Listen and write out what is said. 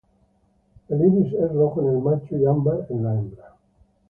El iris es rojo en el macho y ámbar en la hembra.